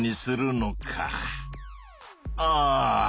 ああ！